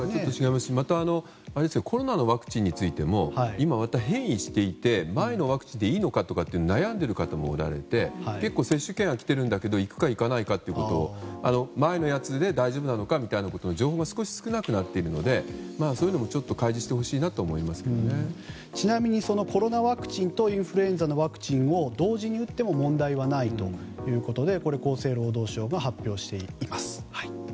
またコロナのワクチンについても今、また変異していて前のワクチンでいいのかと悩んでいる方もおられて結構、接種券は来ているんだけど行くか行かないかということを前のやつで大丈夫なのかみたいなことの情報は少し少なくなっているのでそういうのもちなみにコロナとインフルエンザのワクチンを同時に打っても問題はないということで厚生労働省が発表しています。